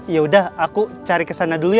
yaudah aku cari kesana dulu ya